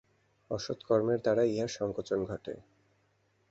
অসৎ কর্মের দ্বারা ইহার সঙ্কোচন ঘটে।